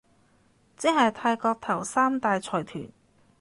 即係泰國頭三大財團